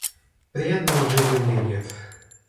Приятного в жизни мне нет.